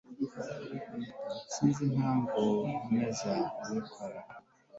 sinzi impamvu nkomeza kubikora